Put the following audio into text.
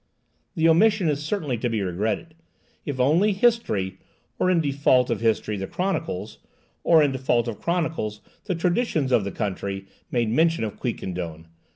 This omission is certainly to be regretted. If only history, or in default of history the chronicles, or in default of chronicles the traditions of the country, made mention of Quiquendone!